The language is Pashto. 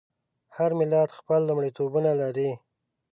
هر ملت خپل لومړیتوبونه لري.